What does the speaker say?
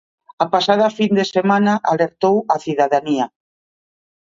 A pasada fin de semana alertou a cidadanía.